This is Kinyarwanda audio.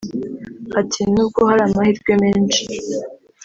Ati “Nubwo hari amahirwe menshi